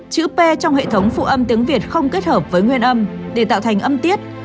chữ p trong hệ thống phụ âm tiếng việt không kết hợp với nguyên âm để tạo thành âm tiết